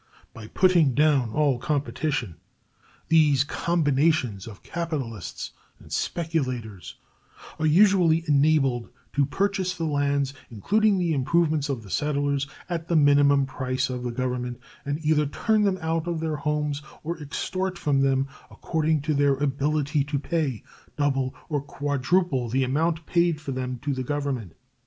By putting down all competition these combinations of capitalists and speculators are usually enabled to purchase the lands, including the improvements of the settlers, at the minimum price of the Government, and either turn them out of their homes or extort from them, according to their ability to pay, double or quadruple the amount paid for them to the Government.